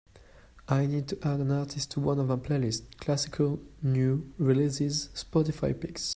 I need to add an artist to one of my playlists, Classical New Releases Spotify Picks.